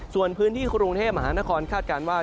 ส่วนพื้นที่กรุงเทพมหานครคาดการณ์ว่า